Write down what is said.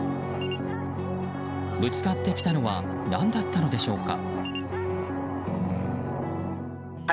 ぶつかってきたのは何だったのでしょうか。